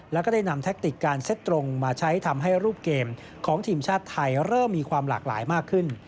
แล้วก็ได้นำแท็กติกการเซ็ตตรงมาใช้ทำให้รูปเกมของทีมชาติไทยเริ่มมีความหลากหลายมากขึ้น